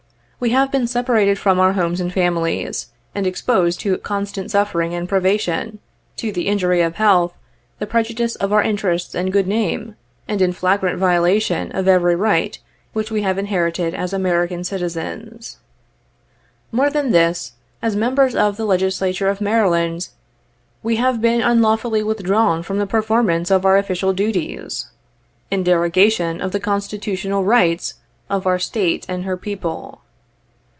We have been separated from our homes and families, and exposed to constant suffering and privation, to the injury of health, the prejudice of our interests and good name, and in flagrant violation of every right which we have inherited as American citizens. More than this, as members of the Legislature of Maryland, we have been unlawfully withdrawn from the performance of our official duties, in derogation 65 of the constitutional rights of our State and her people.